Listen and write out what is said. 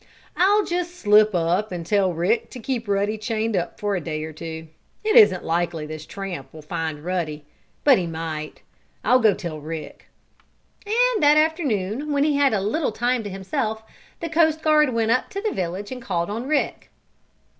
I'll just slip up and tell Rick to keep Ruddy chained up for a day or two. It isn't likely this tramp will find Ruddy, but he might. I'll go tell Rick." And that afternoon, when he had a little time to himself, the coast guard went up to the village and called on Rick.